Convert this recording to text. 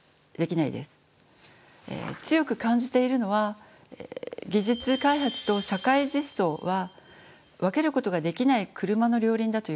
強く感じているのは技術開発と社会実装は分けることができない車の両輪だということです。